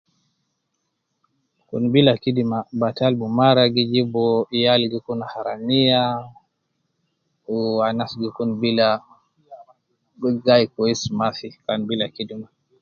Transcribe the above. Kun bila kidima batal bumara, gijibu yal gikun haramiya, wuu anas gi kun bila, gu gai kwesi mafi kan bila kidima